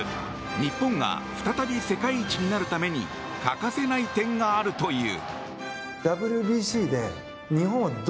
日本が再び世界一になるために欠かせない点があるという。